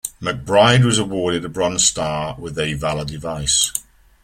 McBride was awarded a Bronze Star with a Valor device.